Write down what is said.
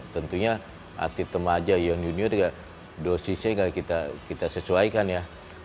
tentunya atlet temaja young junior dosisnya nggak kita sesuaikan ya